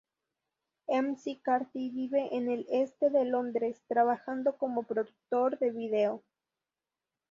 McCarthy vive en el este de Londres, trabajando como productor de video.